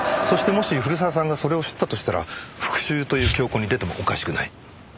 そしてもし古澤さんがそれを知ったとしたら復讐という凶行に出てもおかしくない。